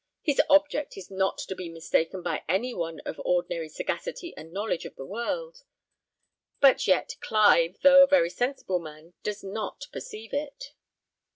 His object is not to be mistaken by any one of ordinary sagacity and knowledge of the world; but yet, Clive, though a very sensible man, does not perceive it.